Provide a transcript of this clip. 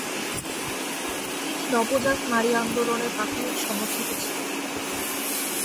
তিনি নবজাত নারীবাদী আন্দোলনের প্রাথমিক সমর্থকও ছিলেন।